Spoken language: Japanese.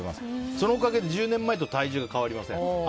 そのせいか１０年前と体重が変わりません。